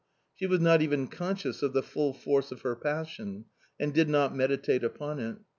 ^ She was not even conscious of the full force of her passion, and did not meditate upon it.